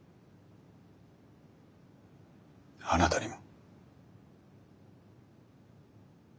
あなたにも。